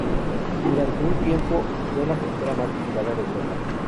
Durante un tiempo, fue "la frontera más vigilada de Europa".